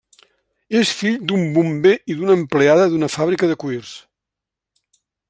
És fill d'un bomber i d'una empleada d'una fàbrica de cuirs.